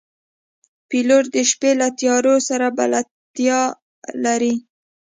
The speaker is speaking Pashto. پیلوټ د شپې له تیارو سره بلدتیا لري.